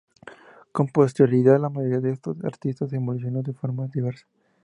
Con posterioridad la mayoría de estos artistas evolucionó de forma diversa.